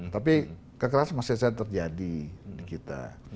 tapi kekerasan masih saja terjadi di kita